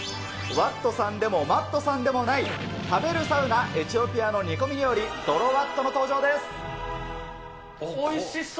ワットさんでもＭａｔｔさんでもない、食べるサウナ、エチオピアの煮込み料理、ドロワットのおいしそう。